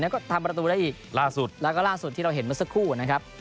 ก็ทำประตูได้อีกล่าสุดแล้วก็ล่าสุดที่เราเห็นเมื่อสักครู่นะครับ